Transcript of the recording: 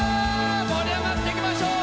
盛り上がっていきましょう！